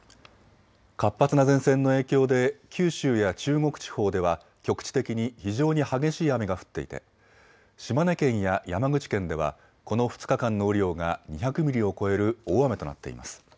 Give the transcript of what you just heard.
活発な前線の影響で九州や中国地方では局地的に非常に激しい雨が降っていて島根県や山口県ではこの２日間の雨量が２００ミリを超える大雨となっています。